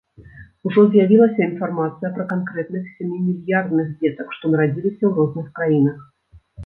Ужо з'явілася інфармацыя пра канкрэтных сямімільярдных дзетак, што нарадзіліся ў розных краінах.